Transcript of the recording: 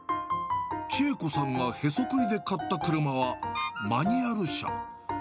千恵子さんがへそくりで買った車はマニュアル車。